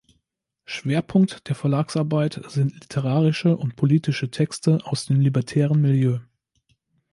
Schwerpunkt der Verlagsarbeit sind literarische und politische Texte aus dem libertären Milieu.